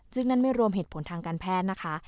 ซึ่งนั่นไม่รวมเหตุผลทางการแพทย์นะคะ